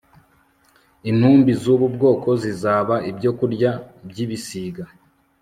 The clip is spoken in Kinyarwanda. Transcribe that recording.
Intumbi z ubu bwoko zizaba ibyokurya by ibisiga